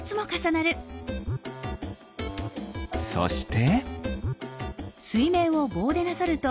そして。